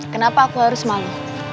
kenapa aku harus malu